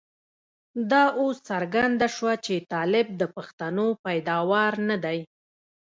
دا اوس څرګنده شوه چې طالب د پښتنو پيداوار نه دی.